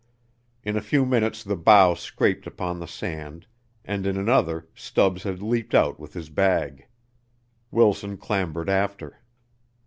In a few minutes the bow scraped upon the sand, and in another Stubbs had leaped out with his bag. Wilson clambered after.